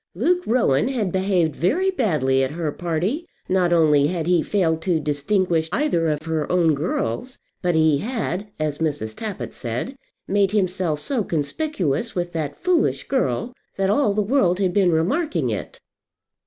Luke Rowan had behaved very badly at her party. Not only had he failed to distinguish either of her own girls, but he had, as Mrs. Tappitt said, made himself so conspicuous with that foolish girl, that all the world had been remarking it.